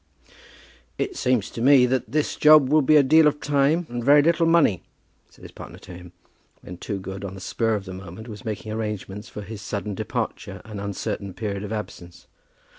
"It seems to me that this job will be a deal of time and very little money," said his partner to him, when Toogood on the spur of the moment was making arrangements for his sudden departure and uncertain period of absence.